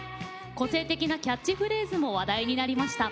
個性的なキャッチフレーズも話題になりました。